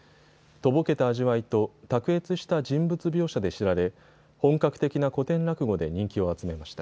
とぼけた味わいと卓越した人物描写で知られ本格的な古典落語で人気を集めました。